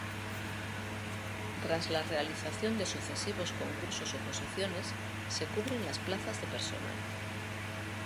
Tras la realización de sucesivos concursos-oposiciones se cubren las plazas de personal.